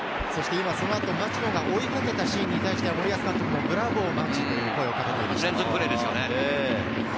町野が追いかけたシーンに対して森保監督もブラボー町野という声をかけています。